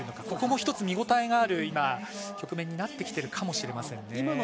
ここも１つ、見応えがある局面になってきてるかもしれません。